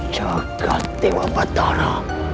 jaga dewa batara